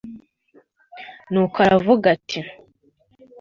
nuko aravuga, ati